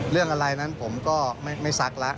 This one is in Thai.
เรื่องอะไรนั้นผมก็ไม่ซักแล้ว